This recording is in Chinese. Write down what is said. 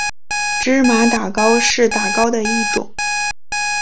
芝麻打糕是打糕的一种。